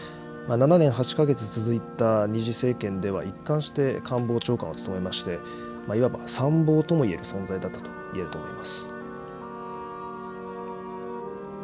７年８か月続いた２次政権では、一貫して官房長官を務めまして、いわば参謀ともいえる存在だったといえると思います。